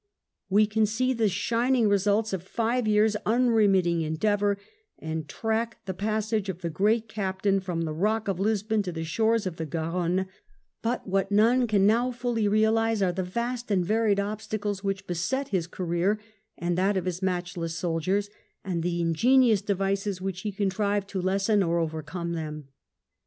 We can see the shining results of five years' unremitting endeavour, and track the passage of the groat captain from the Kock of Lisbon to the shores of the (Jaronne ; but what none can now fully realise are the vuHt and varied obstacles which beset his career and that of his matchless soldiers, and the ingenious devices which ho contrived to lessen or overcome them.